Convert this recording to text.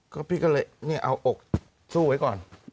ก็พี่ก็เลยเนี่ยเอาอกสู้ไว้ก่อน